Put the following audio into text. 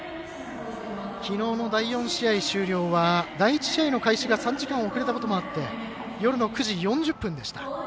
きのうの第４試合終了は第１試合の開始が３時間遅れたこともあって夜の９時４０分でした。